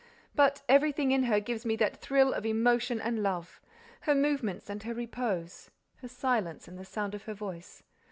But everything in her gives me that thrill of emotion and love: her movements and her repose, her silence and the sound of her voice.